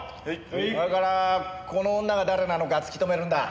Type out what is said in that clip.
それからこの女が誰なのか突き止めるんだ。